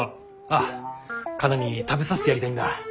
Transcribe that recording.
ああカナに食べさせてやりたいんだ。